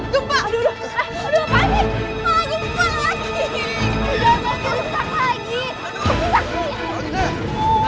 gumpa aduh panik